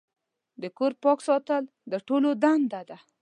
د کور پاک ساتل د ټولو دنده ده.